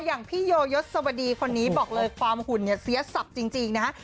อย่างพี่โยยศวดีคนนี้บอกเลยความหุ่นเนี่ยเสียสับจริงนะฮะ